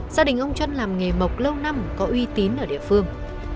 gia đình ông trân làm nghề mộc lâu năm có uy tín ở địa phương